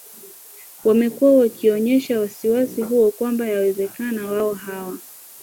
wamekuwa wakionyesha wasi wasi huo kwamba yawezekana wao hawa